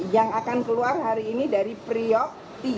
yang akan keluar hari ini dari priok tiga